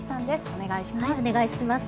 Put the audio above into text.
お願いします。